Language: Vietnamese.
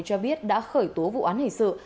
cho biết đã khởi tố vụ án hình sự